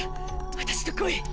私と来い！